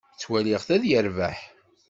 Ttwaliɣ-t ad yerbeḥ.